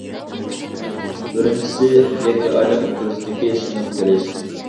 بىرىنچىسى، يەككە ئادەم ئوتتۇرىسىدىكى سىڭىپ كىرىش.